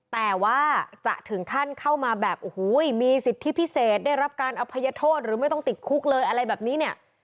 แต่ว่าจะถึงขั้นเข้ามาแบบโอ้โหมีสิทธิพิเศษได้รับการอภัยโทษหรือไม่ต้องติดคุกเลยอะไรแบบนี้เนี่ย